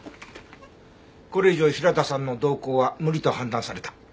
これ以上平田さんの同行は無理と判断された。